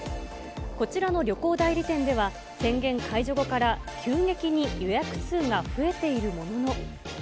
こちらの旅行代理店では、宣言解除後から急激に予約数が増えているものの。